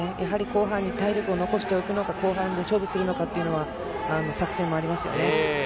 後半に体力を残しておくのか、勝負するのかという作戦がありますよね。